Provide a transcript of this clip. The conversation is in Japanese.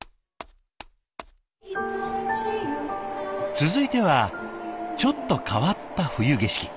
続いてはちょっと変わった冬景色。